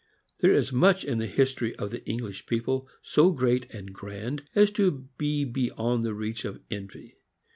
There is much in the history of the English people so great and grand as to be beyond the reach of envy.